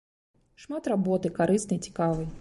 Шмат работы, карыснай, цікавай.